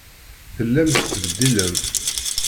Tellam tettbeddilem.